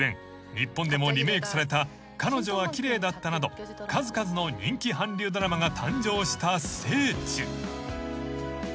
日本でもリメークされた『彼女はキレイだった』など数々の人気韓流ドラマが誕生した聖地］